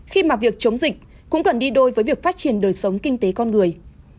khi mà việc chống dịch cũng cần đi đôi với việc phát triển đời sống kinh tế con người